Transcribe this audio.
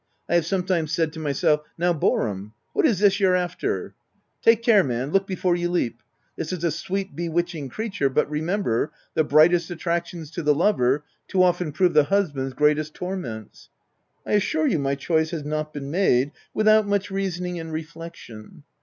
I have sometimes said to myself, 6 Now Boarham, what is this you're after? Take care man — look before you leap ! This is a sweet, bewitching crea ture, but remember, the brightest attractions to the lover, too often prove the husband's greatest torments V — I assure you my choice has not been made without much reasoning and re flection.